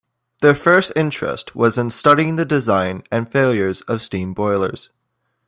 Their first interest was in studying the design and failures of steam boilers.